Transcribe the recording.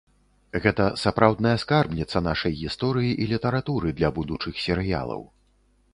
Гэта сапраўдная скарбніца нашай гісторыі і літаратуры для будучых серыялаў.